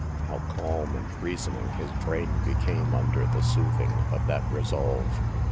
How calm and reasoning his brain became under the soothing of that resolve!